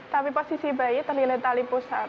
tapi posisi bayi terlilit tali pusat